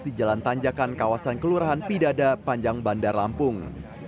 di jalan tanjakan kawasan kelurahan pidada panjang bandar lampung